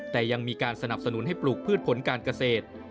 แต่ยังมีการสนับสนุนให้ปลูกพืชผลการเกษตร